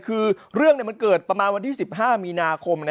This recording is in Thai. คือเรื่องมันเกิดประมาณวันที่๑๕มีนาคม